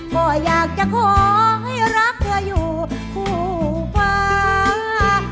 ก็อยากจะขอให้รักเธออยู่คู่ฟ้า